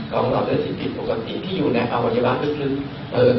ของรอดเลือดสิทธิปกติที่อยู่ในอวัยบาลเรื่อย